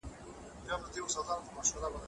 تاسي باید په موبایل کي د ژبو د جملو ماناوې زده کړئ.